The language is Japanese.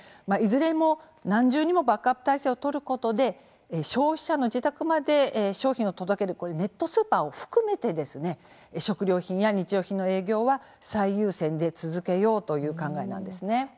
いずれも何重にもバックアップ体制を取ることで消費者の自宅まで商品を届けるネットスーパーを含めて食料品や日用品の営業は最優先で続けようという考えなんです。